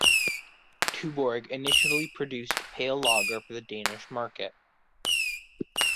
Tuborg initially produced pale lager for the Danish market.